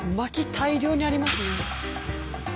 薪大量にありますね。